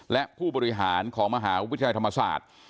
และผู้บริหารของมหาวิทยาลัยธรรมศาสตร์